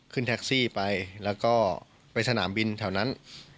ขึ้นแท็กซี่ไปแล้วก็ไปสนามบินแถวนั้น